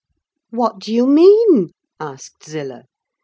"What do you mean?" asked Zillah.